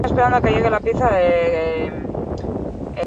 Bere izena, beharbada, Brasil herrialdeagatik jasotzen du.